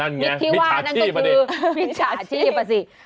นั่นไงมิตรฉาชีพอ่ะสิ